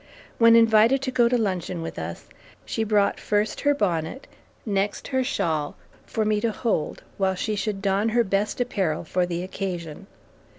When invited to go to luncheon with us, she brought first her bonnet, next her shawl, for me to hold while she should don her best apparel for the occasion.